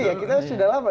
iya kita sudah lama